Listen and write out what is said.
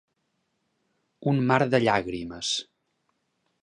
Un mar de llàgrimes.